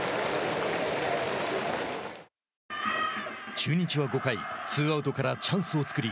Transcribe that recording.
中日は５回ツーアウトからチャンスを作り